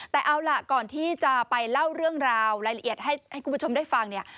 แต่เอาล่ะก่อนที่จะไปเล่าเรื่องราวรายละเอียดให้คุณผู้ชมได้ฟังเนี่ย